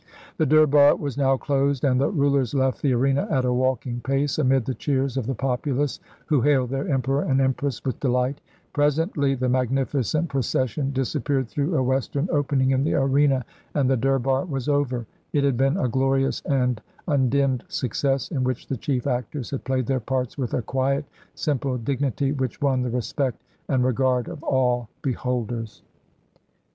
The Durbar was now closed, and the rulers left the arena at a walking pace, amid the cheers of the populace who hailed their Emperor and Empress with delight. Presently the magnificent procession disap 258 THE CORONATION DURBAR OF 191 1 peared through a western opening in the arena, and the Durbar was over. It had been a glorious and undimmed success, in which the chief actors liad played their parts with a quiet, sin; pie dignity, which won the respect and regard of all beholders.